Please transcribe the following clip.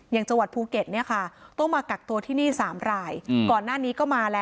อย่างเจาะภูเก็ตนี้